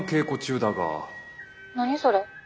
何それ？